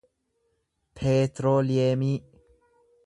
peetirooliyeemii